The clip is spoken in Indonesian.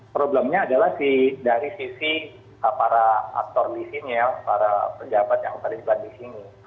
problemnya adalah dari sisi para aktor di sini ya para pejabat yang terlibat di sini